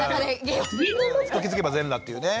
気付けば全裸っていうね。